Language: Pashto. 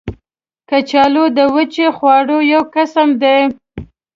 کچالو د وچې خواړو یو قسم دی